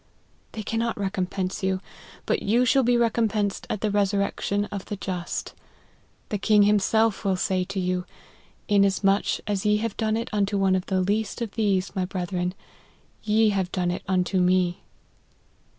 They cannot recompense you, but you shall be recompensed at the resurrection of the just. The King himself will say to you, ' inas much as ye have done it unto one of the least oi % these, my brethren, ye have done it unto me."